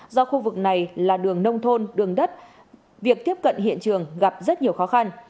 do khu vực này là đường nông thôn đường đất việc tiếp cận hiện trường gặp rất nhiều khó khăn